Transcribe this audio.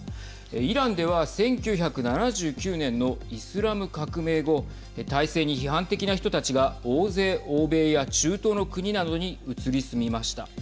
イランでは１９７９年のイスラム革命後体制に批判的な人たちが大勢、欧米や中東の国などに移り住みました。